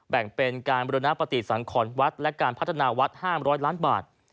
แบ่งเป็นการบุรณปฏิสังขรวัดและการพัฒนาวัด๕๐๐ล้านบาท